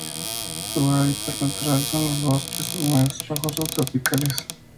Su hábitat natural son los bosques húmedos bajos subtropicales.